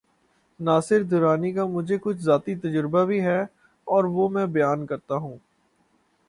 ناصر درانی کا مجھے کچھ ذاتی تجربہ بھی ہے‘ اور وہ میں بیان کرتا ہوں۔